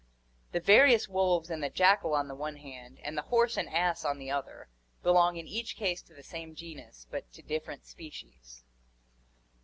The various wolves and the jackal on the one hand and the horse and ass on the other belong in each case to the same genus but to different species.